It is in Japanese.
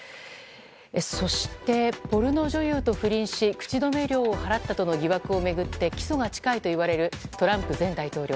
そして、ポルノ女優と不倫し口止め料を払ったとの疑惑を巡って起訴が近いといわれるトランプ前大統領。